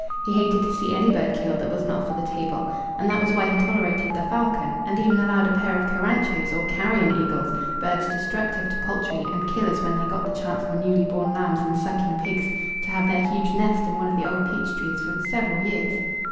He hated to see any bird killed that was not for the table, and that was why he tolerated the falcon, and even allowed a pair of caranchos, or carrion eagles birds destructive to poultry, and killers when they got the chance of newly born lambs and sucking pigs to have their huge nest in one of the old peach trees for several years.